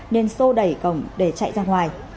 nên xô đẩy cổng để chạy ra ngoài